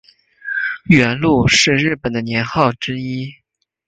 元禄是日本的年号之一。